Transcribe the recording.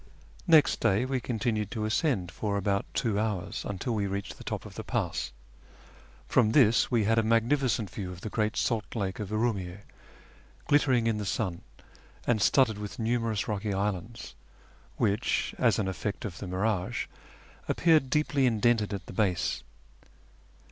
Next day we continued to ascend for about two hours, until we reached the top of the pass. From this we had a magnificent view of the great salt lake of Urumiyy^, glittering in the sun, and studded with numerous rocky islands, which, as an effect of the mirage, aj^peared deeply indented at the base.